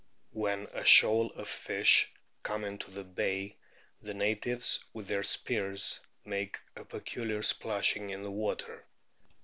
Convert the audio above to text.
f When a shoal of the fish comes into the bay the natives, with their spears, make a peculiar splashing in the water.